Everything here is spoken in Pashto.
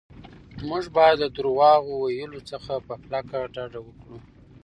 موږ باید له درواغ ویلو څخه په کلکه ډډه وکړو.